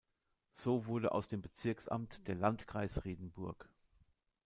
So wurde aus dem Bezirksamt der Landkreis Riedenburg.